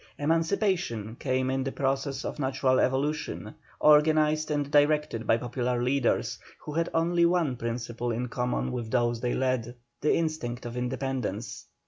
Emancipation came in the process of natural evolution, organized and directed by popular leaders, who had only one principle in common with those they led, the instinct of independence.